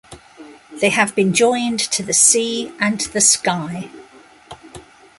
They have been joined to the sea, and the sky.